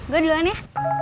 gue duluan ya